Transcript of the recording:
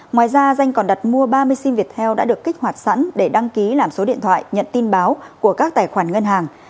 ngoài ra danh còn đặt mua ba mươi sim việt theo đã được kích hoạt sẵn để đăng ký làm số điện thoại nhận tin báo của các tài khoản ngân hàng